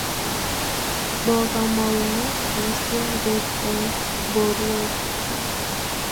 Bo kamonut mising pek eng borwekcho